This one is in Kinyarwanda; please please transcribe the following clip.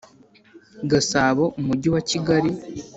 Gasabo umujyi wa kigali